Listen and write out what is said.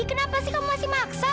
kenapa sih kamu masih maksa